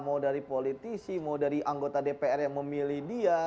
mau dari politisi mau dari anggota dpr yang memilih dia